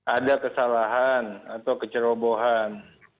ada kesalahan atau kecerobohan